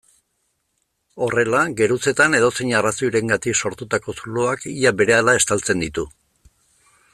Horrela, geruzetan edozein arrazoirengatik sortutako zuloak ia berehala estaltzen ditu.